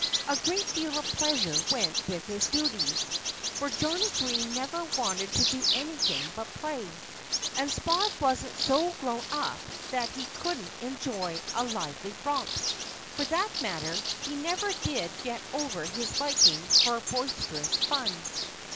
A great deal of pleasure went with his duties, for Johnnie Green never wanted to do anything but play. And Spot wasn't so grown up that he couldn't enjoy a lively romp. For that matter, he never did get over his liking for boisterous fun.